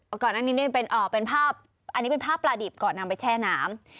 อันนี้เป็นภาพปลาดิบก่อนนำไปแช่น้ำ